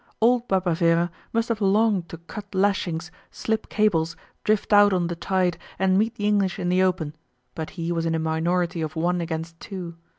Old Barbavera must have longed to cut lashings, slip cables, drift out on the tide, and meet the English in the open, but he was in a minority of one against two.